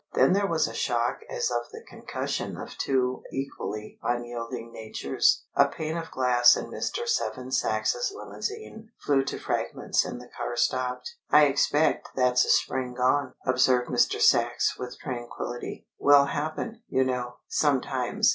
Then there was a shock as of the concussion of two equally unyielding natures. A pane of glass in Mr. Seven Sachs's limousine flew to fragments and the car stopped. "I expect that's a spring gone!" observed Mr. Sachs with tranquillity. "Will happen, you know, sometimes!"